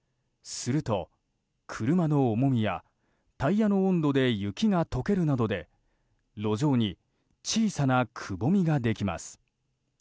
すると、車の重みやタイヤの温度で雪が解けるなどで路上に小さなくぼみができます。